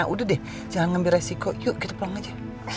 udah deh jangan ngambil resiko yuk kita pulang aja